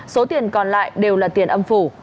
số tiền còn lại đều là tiền âm phủ